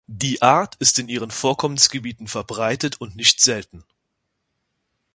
Die Art ist in ihren Vorkommensgebieten verbreitet und nicht selten.